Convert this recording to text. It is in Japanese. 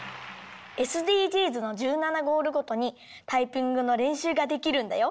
ＳＤＧｓの１７ゴールごとにタイピングのれんしゅうができるんだよ。